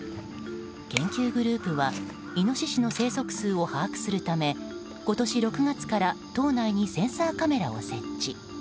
研究グループはイノシシの生息数を把握するため今年６月から島内にセンサーカメラを設置。